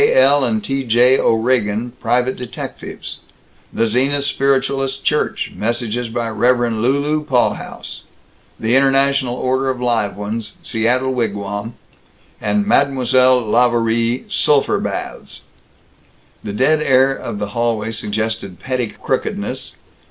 L. & T. J. O'Regan, Private Detectives," "The Zenith Spiritualist Church, Messages by Rev. Lulu Paughouse," "The International Order of Live Ones, Seattle Wigwam," and "Mme. Lavourie, Sulphur Baths." The dead air of the hallway suggested petty crookedness.